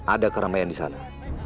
ada keramaian di sana